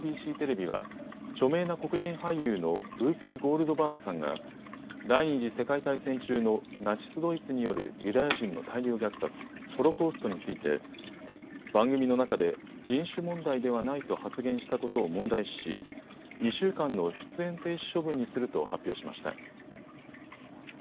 ＡＢＣテレビは、著名な黒人俳優のウーピー・ゴールドバーグさんが第２次世界大戦中のナチス・ドイツによるユダヤ人の大量虐殺、ホロコーストについて番組の中で、人種問題ではないと発言したことを問題視し、２週間の出演停止処分にすると発表しました。